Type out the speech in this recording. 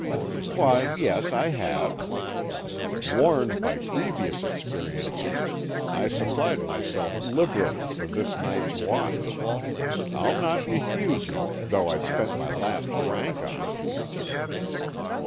"Why, yes, I have. Warned by previous experiences I supplied myself liberally for this night's watch. I'll not refuse you, though I spent my last franc on it."